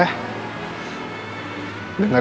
dengerin kata mama